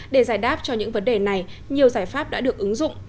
để giải đáp cho những vấn đề này nhiều giải pháp đã được ứng dụng